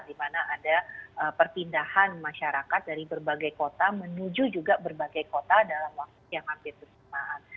di mana ada perpindahan masyarakat dari berbagai kota menuju juga berbagai kota dalam waktu yang hampir bersamaan